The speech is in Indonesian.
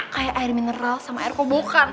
kayak air mineral sama air kobokan